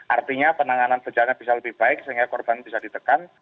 artinya penanganan bencana bisa lebih baik sehingga korban bisa ditekan